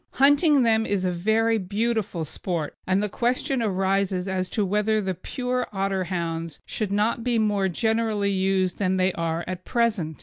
Hunting them is a very beautiful sport, and the question arises as to whether the pure Otterhounds should not be more generally used than they are at present.